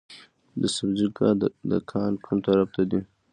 د سبزۍ دکان کوم طرف ته دی؟